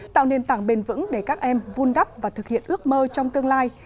tạo nền tảng bền vững để các em vun đắp và thực hiện ước mơ trong tương lai